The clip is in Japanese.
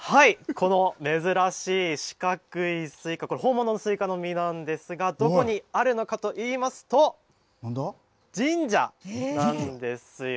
この珍しい四角いスイカ、これ、本物のスイカの実なんですが、どこにあるのかといいますと、神社なんですよ。